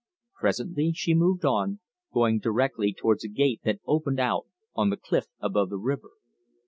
Presently she moved on, going directly towards a gate that opened out on the cliff above the river.